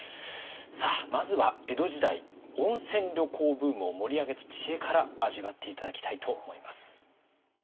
さあまずは江戸時代温泉旅行ブームを盛り上げた知恵から味わって頂きたいと思います。